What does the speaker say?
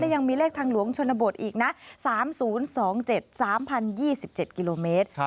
ยังมีเลขทางหลวงชนบทอีกนะ๓๐๒๗๓๐๒๗กิโลเมตร